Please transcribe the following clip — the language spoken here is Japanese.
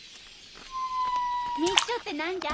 密書って何じゃ？